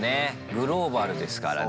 グローバルですからね。